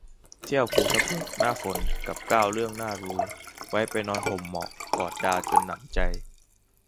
เที่ยวภูทับเบิกหน้าฝน กับ เก้า เรื่องน่ารู้ ไว้ไปนอนห่มหมอก กอดดาวจนหนำใจ